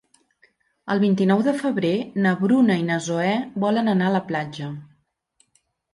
El vint-i-nou de febrer na Bruna i na Zoè volen anar a la platja.